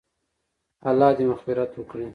الله دې مغفرت وکړي -